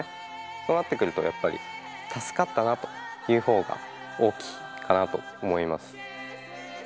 そうなってくるとやっぱり助かったなという方が大きいかなと思います。